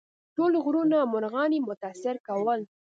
ټول غرونه او مرغان یې متاثر کول.